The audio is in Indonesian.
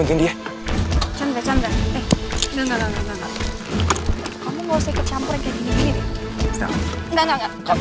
enggak enggak enggak